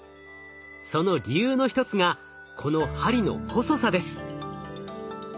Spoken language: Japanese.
その理由の一つがこの針の細さです。